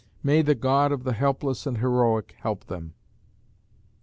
May the God of the helpless and heroic help them!